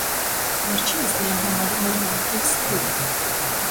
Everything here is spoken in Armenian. Վերջինս իրեն համարում էր նախկին ստրուկ։